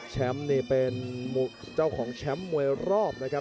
นี่เป็นเจ้าของแชมป์มวยรอบนะครับ